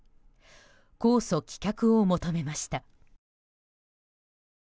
控訴棄却を求めました。